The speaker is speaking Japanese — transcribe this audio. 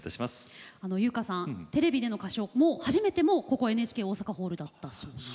由薫さんテレビでの歌唱も初めてもここＮＨＫ大阪ホールだったそうです。